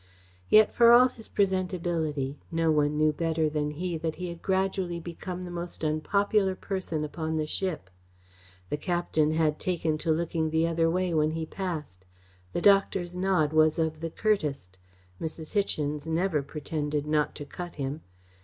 Yet, for all his presentability, no one knew better than he that he had gradually become the most unpopular person upon the ship. The captain had taken to looking the other way when he passed. The doctor's nod was of the curtest. Mrs. Hichens never pretended not to cut him.